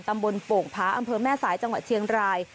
โป่งผาอำเภอแม่สายจังหวัดเชียงราย